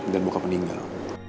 dan bokap meninggal